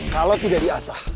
kalau tidak di asa